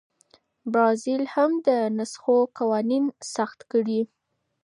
برازیل هم د نسخو قوانین سخت کړي.